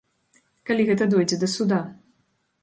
Калі гэта дойдзе да суда.